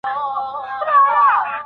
آیا کیلوګرام تر ګرام دروند دی؟